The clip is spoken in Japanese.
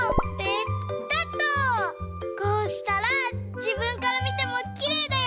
こうしたらじぶんからみてもきれいだよ。